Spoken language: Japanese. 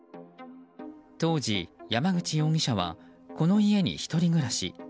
当時、山口容疑者はこの家に１人暮らし。